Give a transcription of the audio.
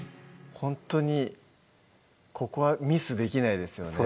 ほんとにここはミスできないですよね